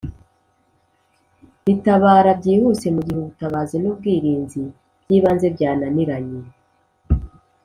Ritabara byihuse mu gihe ubutabazi n ubwirinzi by ibanze byananiranye